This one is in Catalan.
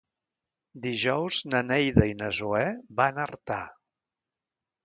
Dijous na Neida i na Zoè van a Artà.